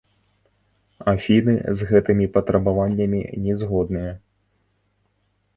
Афіны з гэтымі патрабаваннямі не згодныя.